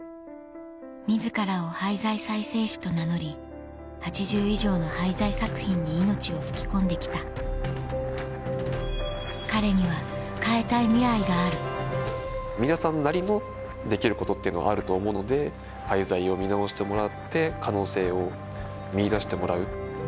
自らを廃材再生師と名乗り８０以上の廃材作品に「いのち」を吹き込んで来た彼には変えたいミライがある皆さんなりのできることっていうのはあると思うので廃材を見直してもらって可能性を見いだしてもらう。